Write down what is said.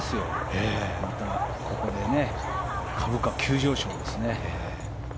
また、ここで株価急上昇ですね。